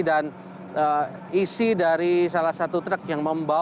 dan isi dari salah satu truk yang dikeluarkan